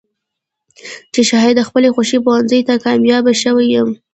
چې شايد د خپلې خوښې پوهنځۍ ته کاميابه شوې يم.